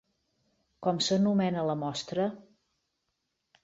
Com s'anomena la mostra?